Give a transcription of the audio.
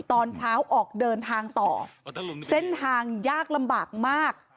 ตอนเช้าออกเดินทางต่อเส้นทางยากลำบากมาก